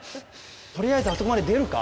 とりあえずあそこまで出るか？